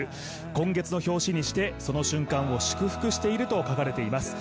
今月の表紙にしてその瞬間を祝福していると記しています。